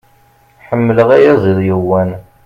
Ḥemmleɣ ayaziḍ yewwan.